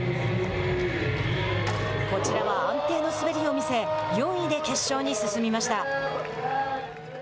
こちらは安定の滑りを見せ４位で決勝に進みました。